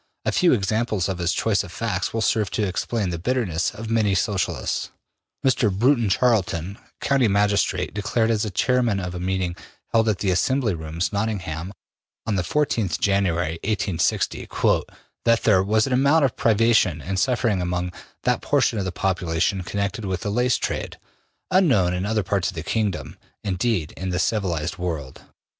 A few examples of his choice of facts will serve to explain the bitterness of many Socialists: Mr. Broughton Charlton, county magistrate, declared, as chairman of a meeting held at the Assembly Rooms, Nottingham, on the 14th January, 1860, ``that there was an amount of privation and suffering among that portion of the population connected with the lace trade, unknown in other parts of the kingdom, indeed, in the civilized world.